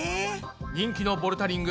人気のボルダリング。